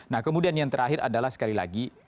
nah kemudian yang terakhir adalah sekali lagi